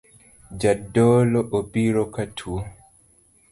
Jadolo obiro katuo